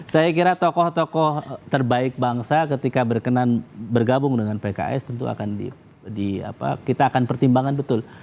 saya kira tokoh tokoh terbaik bangsa ketika berkenan bergabung dengan pks tentu kita akan pertimbangkan betul